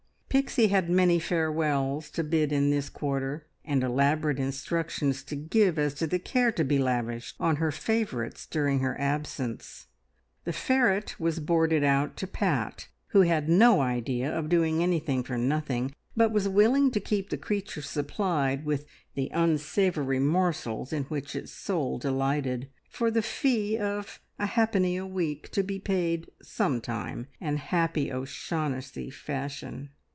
Pixie had many farewells to bid in this quarter, and elaborate instructions to give as to the care to be lavished on her favourites during her absence. The ferret was boarded out to Pat, who had no idea of doing anything for nothing, but was willing to keep the creature supplied with the unsavoury morsels, in which its soul delighted, for the fee of a halfpenny a week, to be paid "some time," an happy O'Shaughnessy fashion.